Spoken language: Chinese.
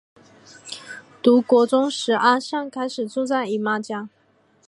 读国中时阿桑开始住在姨妈家。